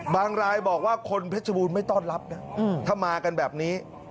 รายบอกว่าคนเพชรบูรณไม่ต้อนรับนะถ้ามากันแบบนี้